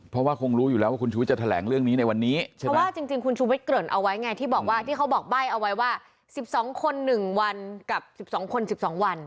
เพราะว่าคงรู้อยู่แล้วว่าคุณชุวิตจะแถลงเรื่องนี้ในวันนี้ใช่ไหมเพราะว่าจริงคุณชุวิตเกริ่นเอาไว้ไงที่บอกว่าที่เขาบอกใบ้เอาไว้ว่า๑๒คน๑วันกับ๑๒คน๑๒วัน